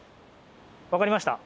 分かりました。